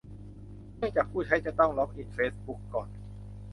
เนื่องจากผู้ใช้จะต้องล็อกอินเฟซบุ๊กก่อน